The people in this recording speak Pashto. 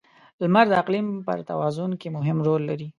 • لمر د اقلیم پر توازن کې مهم رول لري.